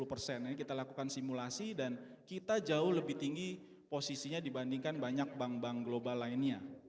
lima puluh persen ini kita lakukan simulasi dan kita jauh lebih tinggi posisinya dibandingkan banyak bank bank global lainnya